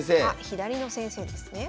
左の先生ですね。